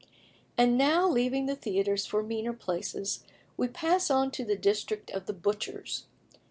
And now leaving the theatres for meaner places, we pass on to the district of the butchers.